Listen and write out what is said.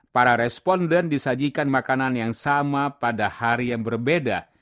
para responden disajikan makanan yang sama pada hari yang berbeda